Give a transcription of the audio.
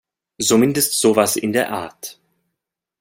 Zumindest sowas in der Art.